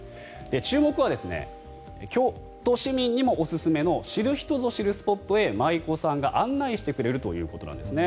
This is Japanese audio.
注目は京都市民にもおすすめの知る人ぞ知るスポットへ舞妓さんが案内してくれるということなんですね。